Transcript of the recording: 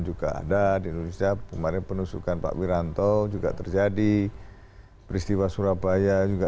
juga ada di indonesia kemarin penusukan pak wiranto juga terjadi peristiwa surabaya juga